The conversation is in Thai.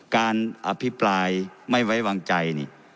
การอภิปรายไม่ไว้วางใจนี่